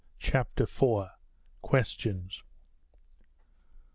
CHAPTER IV. QUESTIONS.